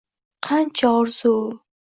Qancha orzu